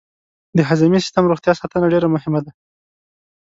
د هضمي سیستم روغتیا ساتنه ډېره مهمه ده.